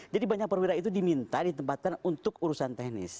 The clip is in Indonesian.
jadi banyak perwira itu diminta ditempatkan untuk urusan teknis